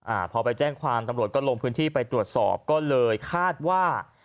อ่าพอไปแจ้งความตำรวจก็ลงพื้นที่ไปตรวจสอบก็เลยคาดว่า